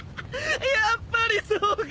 やっぱりそうか！